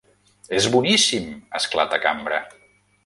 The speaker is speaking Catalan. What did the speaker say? És boníssim! —esclata Cambra.